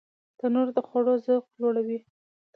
تنور د خوړو ذوق لوړوي